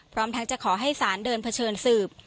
พร้อมทั้งจะขอให้สารเดินเผชิญสืบ